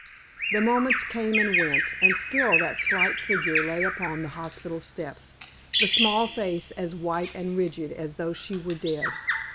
The moments came and went, and still that slight figure lay upon the hospital steps, the small face as white and rigid as though she were dead.